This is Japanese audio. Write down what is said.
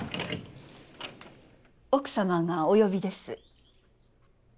奥様がお呼びです。